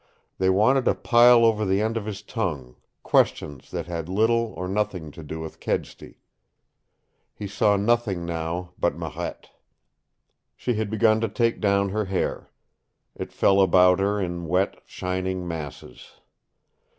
They wanted to pile over the end of his tongue, questions that had little or nothing to do with Kedsty. He saw nothing now but Marette. She had begun to take down her hair. It fell about her in wet, shining masses.